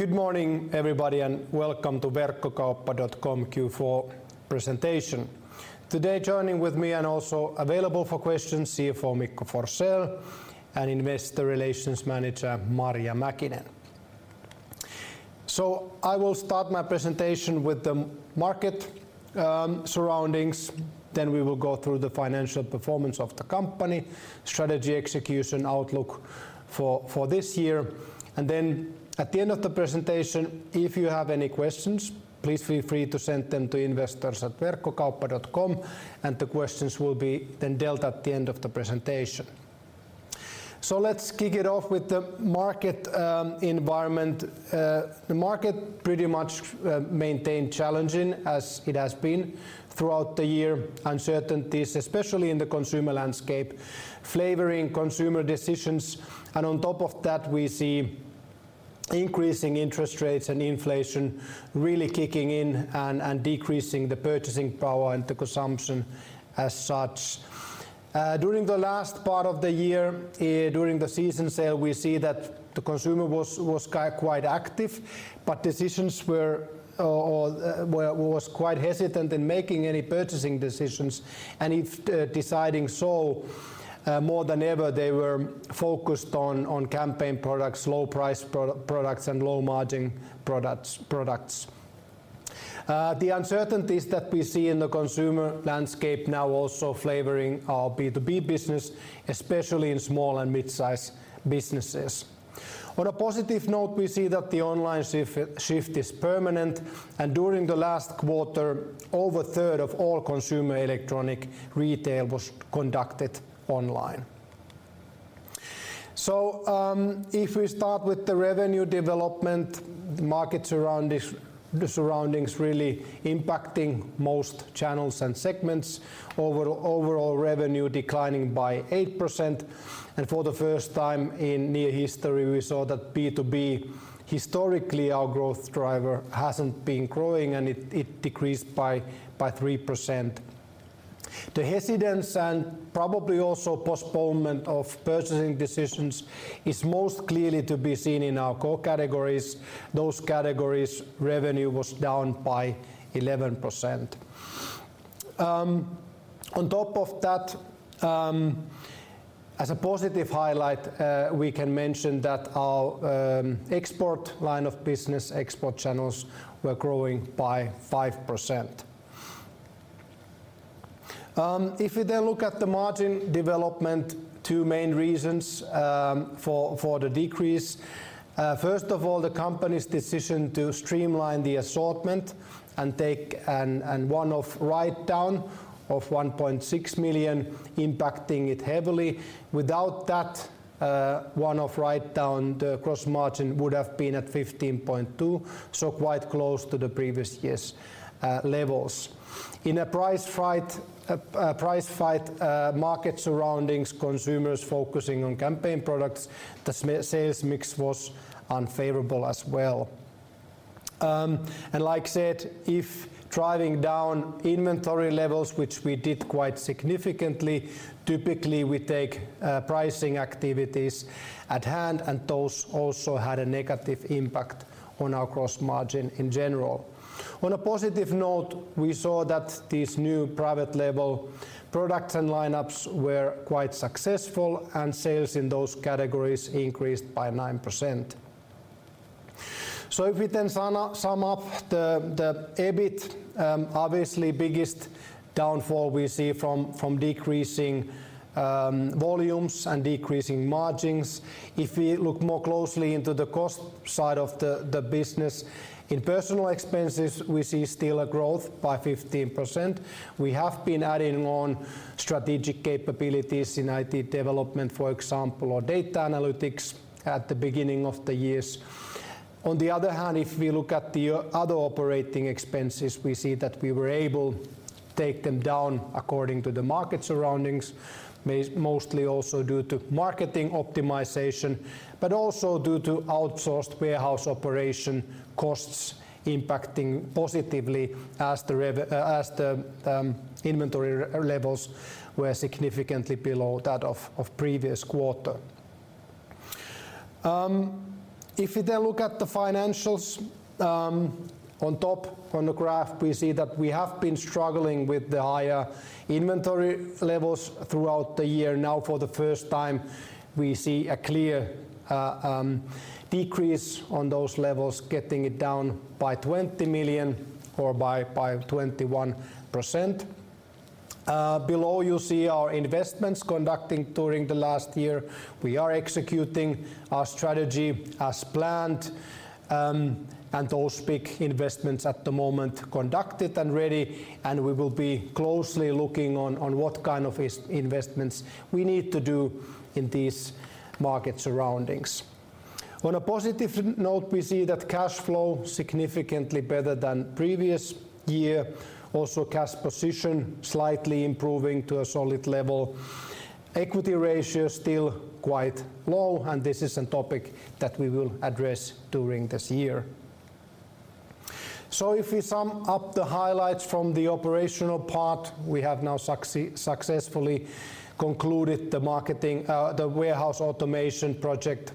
Good morning everybody and welcome to Verkkokauppa.com Q4 Presentation. Today, joining with me and also available for questions, Chief Financial Officer Mikko Forssell and Investor Relations Manager Marja Mäkinen. I will start my presentation with the market surroundings, then we will go through the financial performance of the company, strategy execution outlook for this year, and then at the end of the presentation, if you have any questions, please feel free to send them to investors@verkkokauppa.com, and the questions will be then dealt at the end of the presentation. Let's kick it off with the market environment. The market pretty much maintained challenging as it has been throughout the year, uncertainties, especially in the consumer landscape, flavoring consumer decisions, and on top of that, we see increasing interest rates and inflation really kicking in and decreasing the purchasing power and the consumption as such. During the last part of the year, during the season sale, we see that the consumer was quite active. Decisions were quite hesitant in making any purchasing decisions. If, deciding so, more than ever, they were focused on campaign products, low price products, and low margin products. The uncertainties that we see in the consumer landscape now also flavoring our B2B business, especially in small and midsize businesses. On a positive note, we see that the online shift is permanent. During the last quarter, over a third of all consumer electronic retail was conducted online. If we start with the revenue development, market surroundings really impacting most channels and segments, overall revenue declining by 8%, and for the first time in near history, we saw that B2B, historically our growth driver, hasn't been growing, and it decreased by 3%. The hesitance and probably also postponement of purchasing decisions is most clearly to be seen in our core categories. Those categories' revenue was down by 11%. On top of that, as a positive highlight, we can mention that our export line of business, export channels, were growing by 5%. If you then look at the margin development, two main reasons for the decrease. First of all, the company's decision to streamline the assortment and take an one-off write-down of 1.6 million impacting it heavily. Without that, one-off write-down, the gross margin would have been at 15.2, so quite close to the previous year's levels. In a price fight market surroundings, consumers focusing on campaign products, the sales mix was unfavorable as well. Like I said, if driving down inventory levels, which we did quite significantly, typically we take pricing activities at hand, and those also had a negative impact on our gross margin in general. On a positive note, we saw that these new private label products and lineups were quite successful, and sales in those categories increased by 9%. If we then sum up the EBIT, obviously biggest downfall we see from decreasing volumes and decreasing margins. We look more closely into the cost side of the business, in personal expenses, we see still a growth by 15%. We have been adding on strategic capabilities in IT development, for example, or data analytics at the beginning of the years. The other hand, if we look at the other operating expenses, we see that we were able to take them down according to the market surroundings, mostly also due to marketing optimization, but also due to outsourced warehouse operation costs impacting positively as the inventory levels were significantly below that of previous quarter. You look at the financials, on top on the graph, we see that we have been struggling with the higher inventory levels throughout the year. Now, for the first time, we see a clear decrease on those levels, getting it down by 20 million or by 21%. Below you see our investments conducting during the last year. We are executing our strategy as planned, and those big investments at the moment conducted and ready, and we will be closely looking on what kind of investments we need to do in these market surroundings. On a positive note, we see that cash flow significantly better than previous year, also cash position slightly improving to a solid level. Equity ratio still quite low, and this is a topic that we will address during this year. If we sum up the highlights from the operational part, we have now successfully concluded the marketing, the warehouse automation project.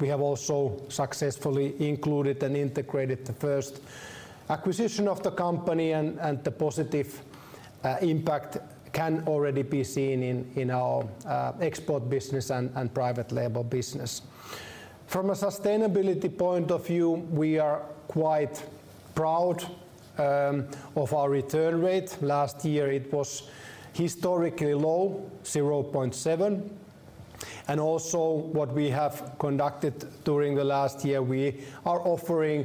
We have also successfully included and integrated the first acquisition of the company and the positive impact can already be seen in our export business and private label business. From a sustainability point of view, we are quite proud of our return rate. Last year it was historically low, 0.7. Also what we have conducted during the last year, we are offering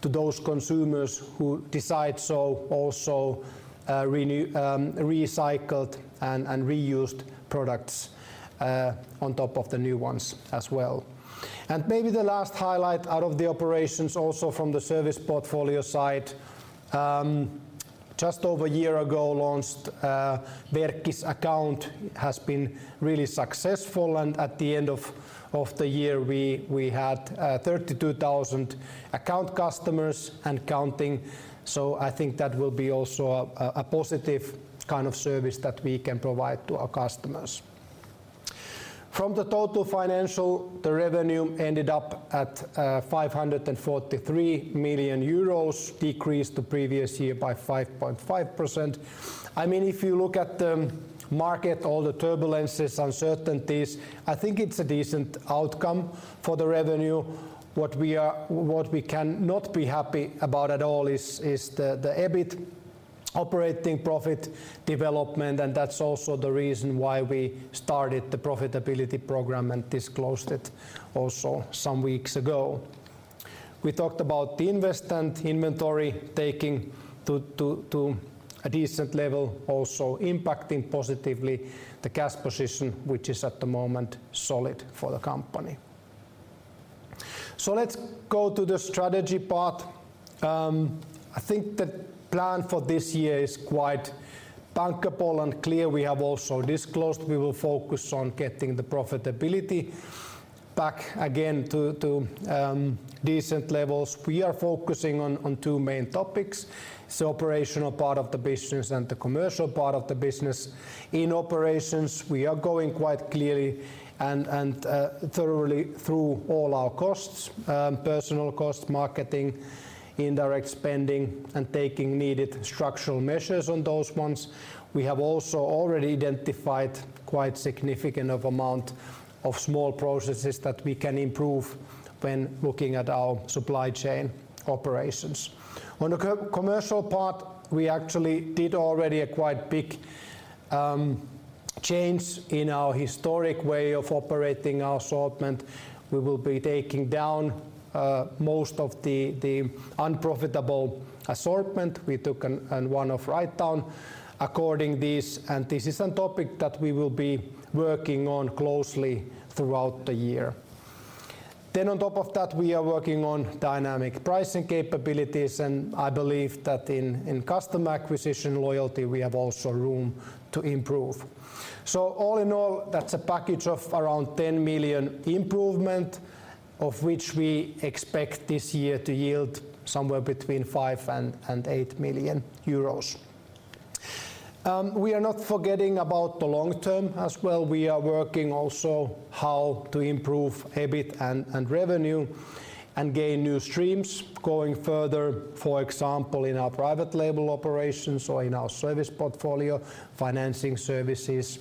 to those consumers who decide so also recycled and reused products on top of the new ones as well. Maybe the last highlight out of the operations, also from the service portfolio side, just over a year ago, launched Verkkis account has been really successful, and at the end of the year, we had 32,000 account customers and counting. I think that will be also a positive kind of service that we can provide to our customers. From the total financial, the revenue ended up at 543 million euros, decreased to previous year by 5.5%. I mean, if you look at the market, all the turbulences, uncertainties, I think it's a decent outcome for the revenue. What we cannot be happy about at all is the EBIT operating profit development, and that's also the reason why we started the profitability program and disclosed it also some weeks ago. We talked about the investment inventory taking to a decent level, also impacting positively the cash position, which is at the moment solid for the company. Let's go to the strategy part. I think the plan for this year is quite bankable and clear. We have also disclosed we will focus on getting the profitability back again to decent levels. We are focusing on two main topics, the operational part of the business and the commercial part of the business. In operations, we are going quite clearly and thoroughly through all our costs, personal cost, marketing, indirect spending, and taking needed structural measures on those ones. We have also already identified quite significant of amount of small processes that we can improve when looking at our supply chain operations. On a co-commercial part, we actually did already a quite big change in our historic way of operating our assortment. We will be taking down most of the unprofitable assortment. We took an one-off write down according this. This is a topic that we will be working on closely throughout the year. On top of that, we are working on dynamic pricing capabilities, and I believe that in customer acquisition loyalty, we have also room to improve. All in all, that's a package of around 10 million improvement of which we expect this year to yield somewhere between 5 million and 8 million euros. We are not forgetting about the long term as well. We are working also how to improve EBIT and revenue and gain new streams going further, for example, in our private label operations or in our service portfolio, financing services,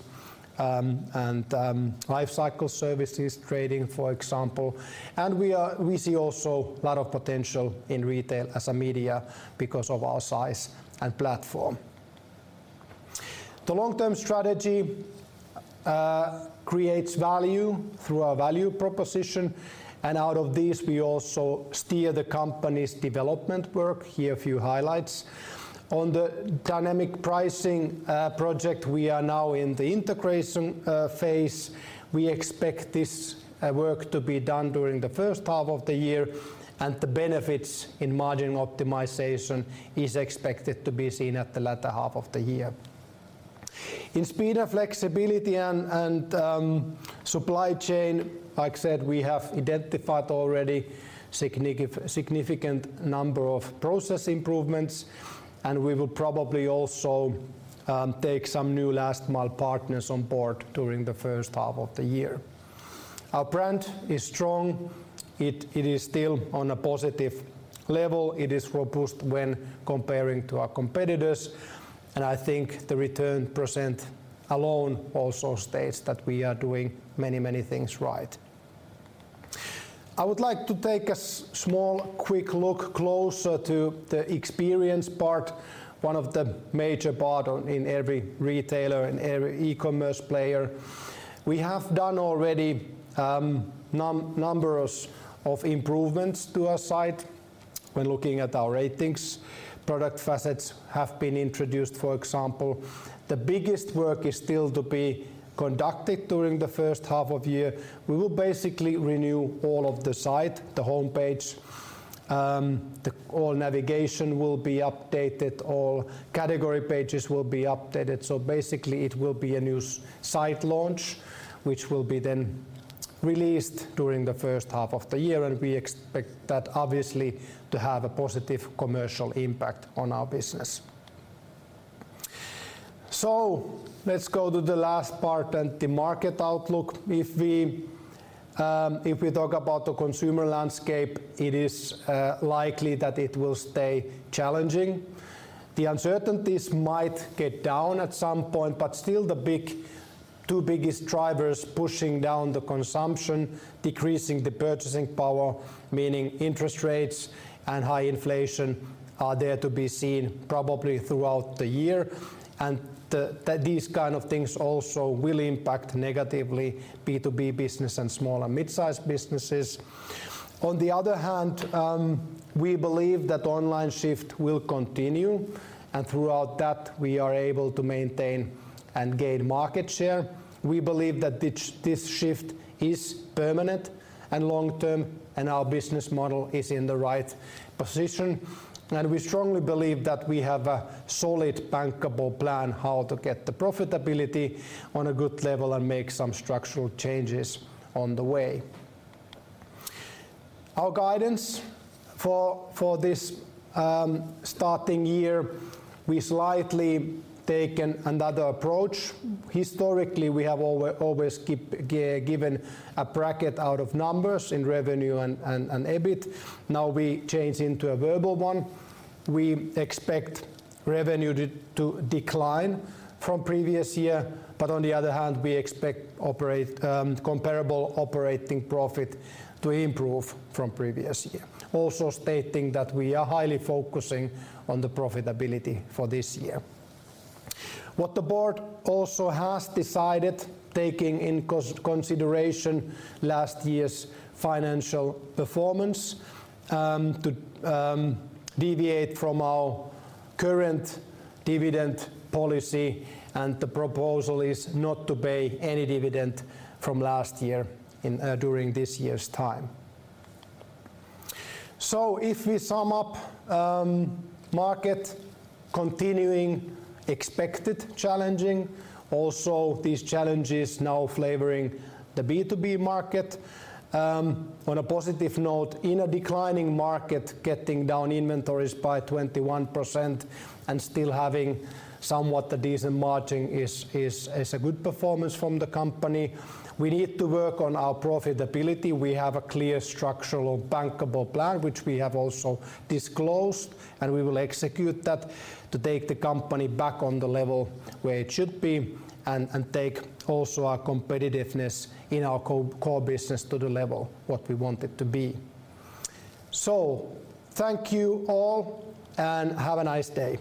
and life cycle services, trading, for example. We see also a lot of potential in retail as a media because of our size and platform. The long-term strategy creates value through our value proposition, and out of this, we also steer the company's development work. Here a few highlights. On the dynamic pricing project, we are now in the integration phase. We expect this work to be done during the first half of the year, and the benefits in margin optimization is expected to be seen at the latter half of the year. In speed and flexibility and supply chain, like I said, we have identified already significant number of process improvements, and we will probably also take some new last mile partners on board during the first half of the year. Our brand is strong. It is still on a positive level. It is robust when comparing to our competitors, I think the return percent alone also states that we are doing many, many things right. I would like to take a small quick look closer to the experience part, one of the major part in every retailer and every e-commerce player. We have done already numbers of improvements to our site when looking at our ratings. Product facets have been introduced, for example. The biggest work is still to be conducted during the first half of the year. We will basically renew all of the site, the homepage, all navigation will be updated, all category pages will be updated. Basically it will be a new site launch, which will be then released during the first half of the year, and we expect that obviously to have a positive commercial impact on our business. Let's go to the last part and the market outlook. If we talk about the consumer landscape, it is likely that it will stay challenging. The uncertainties might get down at some point, but still the two biggest drivers pushing down the consumption, decreasing the purchasing power, meaning interest rates and high inflation, are there to be seen probably throughout the year. These kind of things also will impact negatively B2B business and small and mid-sized businesses. On the other hand, we believe that online shift will continue, and throughout that we are able to maintain and gain market share. We believe that this shift is permanent and long-term, our business model is in the right position. We strongly believe that we have a solid bankable plan how to get the profitability on a good level and make some structural changes on the way. Our guidance for this starting year, we slightly taken another approach. Historically, we have always given a bracket out of numbers in revenue and EBIT. Now we change into a verbal one. We expect revenue to decline from previous year. On the other hand, we expect comparable operating profit to improve from previous year. Also stating that we are highly focusing on the profitability for this year. What the board also has decided, taking in consideration last year's financial performance, to deviate from our current dividend policy, and the proposal is not to pay any dividend from last year during this year's time. If we sum up, market continuing expected challenging, also these challenges now flavoring the B2B market. On a positive note, in a declining market, getting down inventories by 21% and still having somewhat a decent margin is a good performance from the company. We need to work on our profitability. We have a clear structural bankable plan, which we have also disclosed, and we will execute that to take the company back on the level where it should be and take also our competitiveness in our core business to the level what we want it to be. Thank you all, and have a nice day.